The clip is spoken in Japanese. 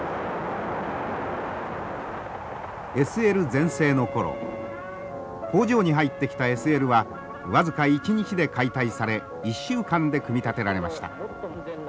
ＳＬ全盛の頃工場に入ってきたＳＬは僅か１日で解体され１週間で組み立てられました。